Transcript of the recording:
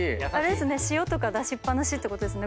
塩とか出しっ放しってことですよね？